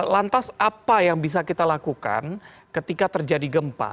lantas apa yang bisa kita lakukan ketika terjadi gempa